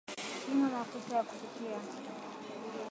Pima mafuta ya kupikia